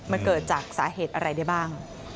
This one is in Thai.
มันเกิดจากสาเหตุอะไรได้บ้าง